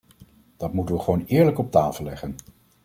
Dat moeten we gewoon eerlijk op tafel leggen.